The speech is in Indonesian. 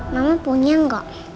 mama punya gak